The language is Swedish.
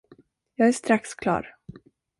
Jag är strax klar.